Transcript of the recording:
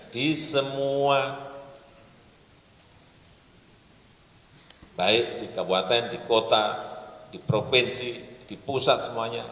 di semua baik di kabupaten di kota di provinsi di pusat semuanya